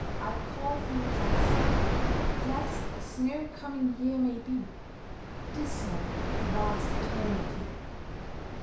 I call thee blest; Blest as no coming year may be This side of vast Eternity